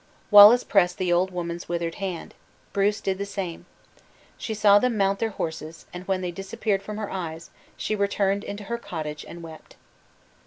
Wallace pressed the old woman's withered hand; Bruce did the same. She saw them mount their horses, and when they disappeared from her eyes, she returned into her cottage and wept.